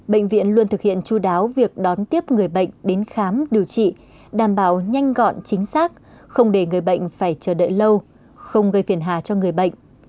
bệnh viện luôn thực hiện chú đáo việc đón tiếp người bệnh đến khám điều trị đảm bảo nhanh gọn chính xác không để người bệnh phải chờ đợi lâu không gây phiền hà cho người bệnh